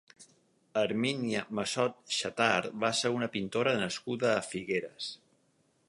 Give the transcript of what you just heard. Hermínia Massot Xatart va ser una pintora nascuda a Figueres.